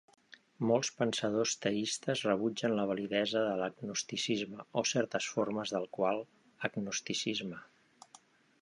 Molts pensadors teistes rebutgen la validesa de l'agnosticisme, o certes formes del qual agnosticisme.